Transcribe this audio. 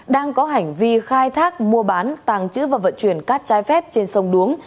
đang có hành vi khai thác mua bán tàng trữ và vận chuyển cát trái phép trên sông đuống